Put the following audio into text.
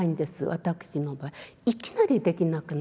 私の場合いきなりできなくなるんです。